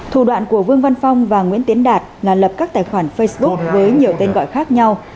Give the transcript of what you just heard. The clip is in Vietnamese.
thủ đoạn của vương văn phong và nguyễn tiến đạt là lập các tài khoản facebook với nhiều tên gọi khác nhau